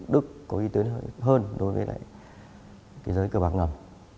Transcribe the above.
đức có y tín hơn đối với cái giới cờ bạc ngầm